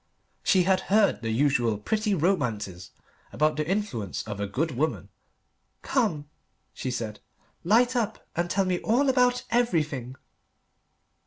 She had heard the usual pretty romances about the influence of a good woman. "Come," she said, "light up and tell me all about everything."